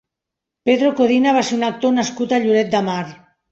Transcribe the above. Pedro Codina va ser un actor nascut a Lloret de Mar.